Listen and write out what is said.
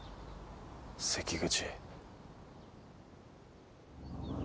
関口。